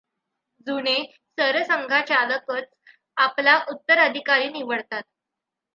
जुने सरसंघचालकच आपला उत्तराधिकारी निवडतात.